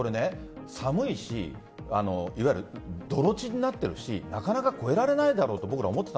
寒いし泥地になっているしなかなか越えられないだろうと思っていた。